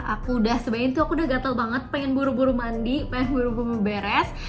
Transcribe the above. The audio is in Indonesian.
aku udah sebaikin tuh aku udah gatel banget pengen buru buru mandi pengen buru buru beres